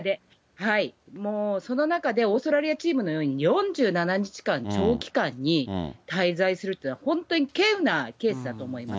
その中でオーストラリアチームのように４７日間、長期間に滞在するっていうのは、本当に稀有なケースだと思います。